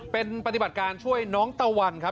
เป็นปฏิบัติการช่วยน้องตะวันครับ